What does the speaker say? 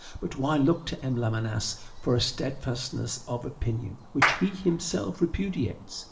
But why look to M. Lamennais for a steadfastness of opinion, which he himself repudiates?